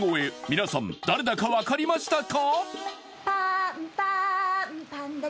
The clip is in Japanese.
皆さん誰だか分かりましたか？